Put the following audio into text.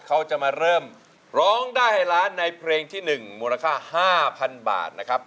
เขาจะมาเริ่มร้องได้ให้ล้านในเพลงที่๑มูลค่า๕๐๐๐บาทนะครับ